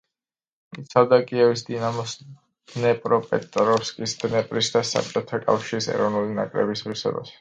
იცავდა კიევის „დინამოს“, დნეპროპეტროვსკის „დნეპრის“ და საბჭოთა კავშირის ეროვნული ნაკრების ღირსებას.